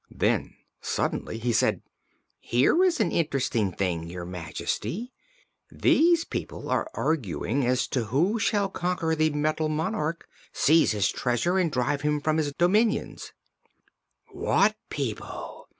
Then suddenly he said: "Here is an interesting thing, Your Majesty. These people are arguing as to who shall conquer the Metal Monarch, seize his treasure and drive him from his dominions." "What people?"